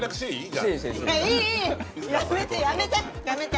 ・やめてやめて！